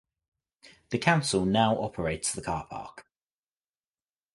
The council now operates the carpark.